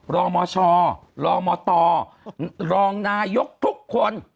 รองมอชอรองมอตอรองนายกทุกคน